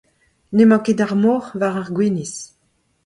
N’emañ ket ar moc’h war ar gwinizh.